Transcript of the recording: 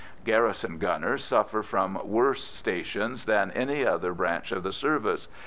Garrison gunners suffer from worse stations than any other branch of the service.